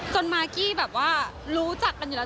มากกี้แบบว่ารู้จักกันอยู่แล้ว